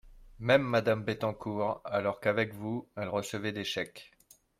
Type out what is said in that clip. Même Madame Bettencourt, alors qu’avec vous, elle recevait des chèques